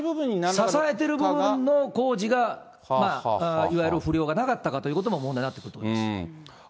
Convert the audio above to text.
支えている部分の工事が、いわゆる不良がなかったかということも、問題になってくると思います。